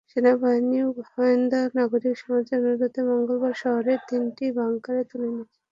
সেনাবাহিনীও হান্দোয়ারার নাগরিক সমাজের অনুরোধে মঙ্গলবার শহরের তিনটি বাংকার তুলে দিয়েছে।